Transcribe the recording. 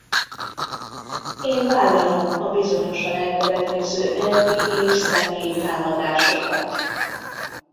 Én vállalom a bizonyosan elkövetkező elvi és személyi támadásokat.